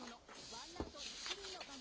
ワンアウト１塁の場面。